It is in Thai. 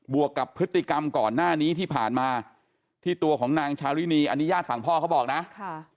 วกกับพฤติกรรมก่อนหน้านี้ที่ผ่านมาที่ตัวของนางชารินีอันนี้ญาติฝั่งพ่อเขาบอกนะค่ะ